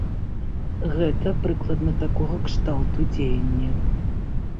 Гэта прыкладна такога кшталту дзеянне.